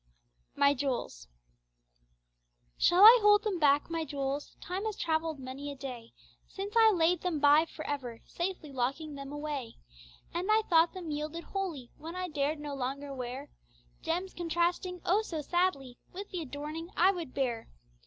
_' My Jewels. 'Shall I hold them back my jewels? Time has travelled many a day Since I laid them by for ever, Safely locking them away; And I thought them yielded wholly. When I dared no longer wear Gems contrasting, oh, so sadly! With the adorning I would bear.